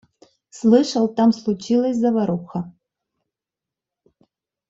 Слышал, там случилась заваруха.